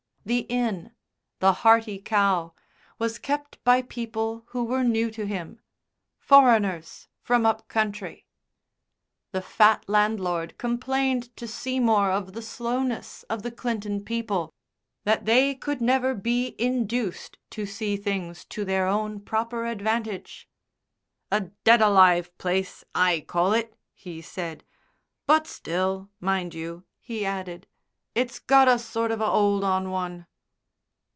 The inn, the "Hearty Cow," was kept by people who were new to him "foreigners, from up country." The fat landlord complained to Seymour of the slowness of the Clinton people, that they never could be induced to see things to their own proper advantage. "A dead alive place I call it," he said; "but still, mind you," he added, "it's got a sort of a 'old on one."